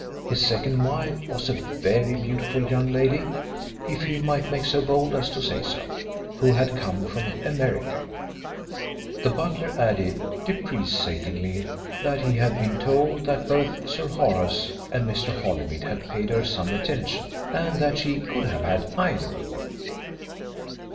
His second wife was a very beautiful young lady, if he might make so bold as to say so, who had come from America. The butler added deprecatingly that he had been told that both Sir Horace and Mr. Holymead had paid her some attention, and that she could have had either of them.